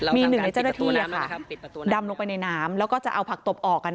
มีหนึ่งในเจ้าหน้าที่ดำลงไปในน้ำแล้วก็จะเอาผักตบออก